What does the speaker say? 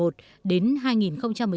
trong khoảng năm hai nghìn một mươi một